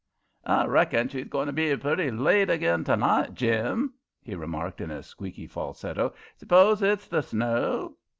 "I reckon she's a goin' to be pretty late agin to night, Jim," he remarked in a squeaky falsetto. "S'pose it's the snow?"